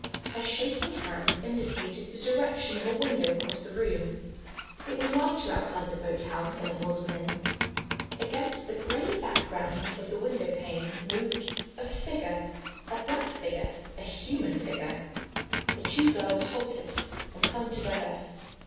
Her shaking hand indicated the direction of a window across the room. It was lighter outside the boathouse than it was within. Against the gray background of the window pane moved a figure! A black figure! A human figure! The two girls halted and clung together.